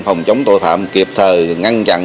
phòng chống tội phạm kịp thời ngăn chặn